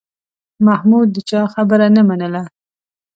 محمود د چا خبره نه منله